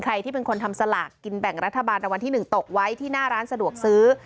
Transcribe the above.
ที่เป็นคนทำสลากกินแบ่งรัฐบาลรางวัลที่๑ตกไว้ที่หน้าร้านสะดวกซื้อ